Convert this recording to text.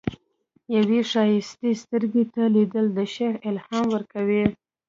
یوې ښایستې سترګې ته لیدل، د شعر الهام ورکوي.